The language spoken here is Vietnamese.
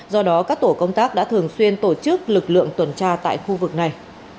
do đó các tổ công tác đã thường xuyên tổ chức lực lượng tuần tra tại khu vực này